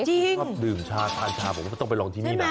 ชอบดื่มชาทานชาผมก็ต้องไปลองที่นี่นะ